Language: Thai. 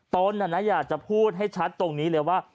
ตนอยากจะพูดให้ชัดตรงนี้เลยว่า